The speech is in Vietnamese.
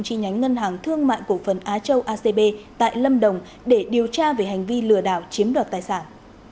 chi nhánh ngân hàng thương mại cổ phần á châu acb tại lâm đồng để điều tra về hành vi lừa đảo chiếm đoạt tài sản